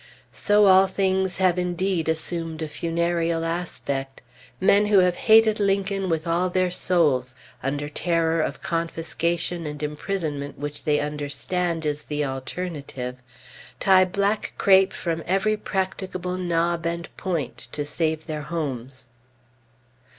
So all things have indeed assumed a funereal aspect. Men who have hated Lincoln with all their souls, under terror of confiscation and imprisonment which they understand is the alternative, tie black crape from every practicable knob and point to save their homes.